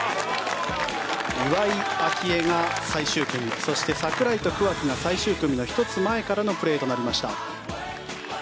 岩井明愛が最終組そして櫻井と桑木が最終組の１つ前からのプレーとなりました。